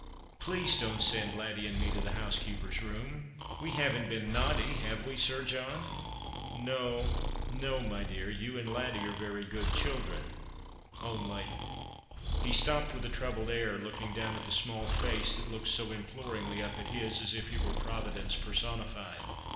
" Please don't send Laddie and me to the housekeeper's room. We haven't been naughty, have we, Sir John ?" "No, no, my dear. You and Laddie eire verv good children — onlv =" 282 The Christmas Hirelings, He stojjped with a troubled air, looking down at the small face that looked so imploringly up at his, as if he were Proyidence personified.